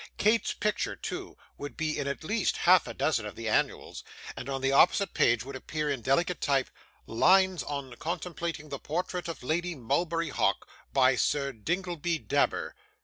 Kate's picture, too, would be in at least half a dozen of the annuals, and on the opposite page would appear, in delicate type, 'Lines on contemplating the Portrait of Lady Mulberry Hawk. By Sir Dingleby Dabber.